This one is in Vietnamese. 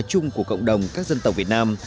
chung của cộng đồng các dân tộc việt nam